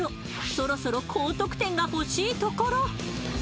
そろそろ高得点が欲しいところ。